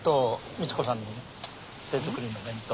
みち子さんの手作りの弁当。